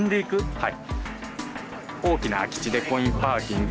はい。